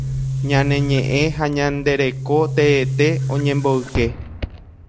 Ñane ñeʼẽ ha ñande reko teete oñemboyke.